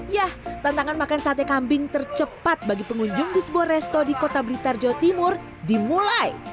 yah tantangan makan sate kambing tercepat bagi pengunjung di sebuah resto di kota blitar jawa timur dimulai